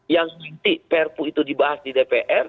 yang berarti perpuk itu dibahas di dpr